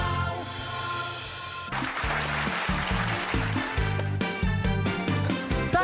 อยู่ด้วย